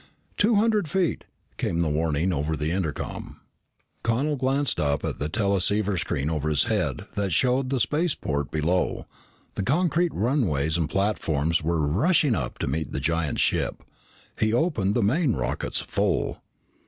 "Two hundred feet!" came the warning call over the intercom. Connel glanced up at the teleceiver screen over his head that showed the spaceport below. The concrete runways and platforms were rushing up to meet the giant ship. He opened the main rockets full.